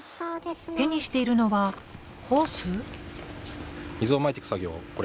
手にしているのはホース？